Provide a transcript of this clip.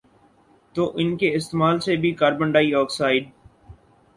تو ان کے استعمال سے بھی کاربن ڈائی آکسائیڈ